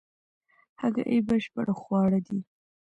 هګۍ بشپړ خواړه دي